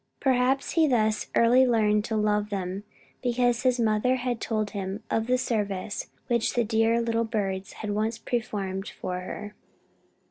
Perhaps He thus early learned to love them because His mother had told Him of the service which the dear little birds had once performed for her.